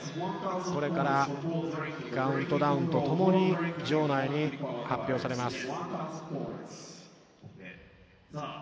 それから、カウントダウンと共に場内に発表されます。